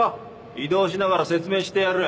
移動しながら説明してやる。